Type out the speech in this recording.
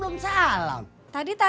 oh lu ngejawab kan gua belum salam